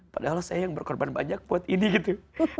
padahal saya yang berkorban banyak buat ini gitu